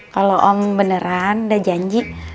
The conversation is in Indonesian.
kalau om beneran udah janji